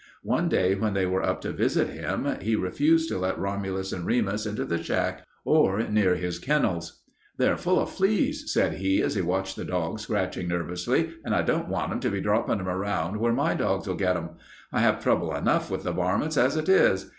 One day, when they went up to visit him, he refused to let Romulus and Remus into the shack or near his kennels. "They're full of fleas," said he as he watched the dogs scratching nervously, "and I don't want 'em to be droppin' 'em around where my dogs'll get 'em. I have trouble enough with the varmints as 'tis.